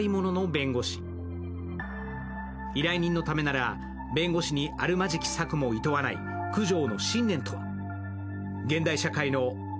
依頼人のためなら弁護士にあるまじき策もいとわない九条の信念とは。